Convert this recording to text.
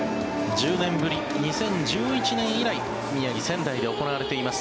１０年ぶり２０１１年以来宮城・仙台で行われています